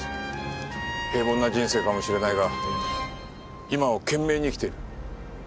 平凡な人生かもしれないが今を懸命に生きている。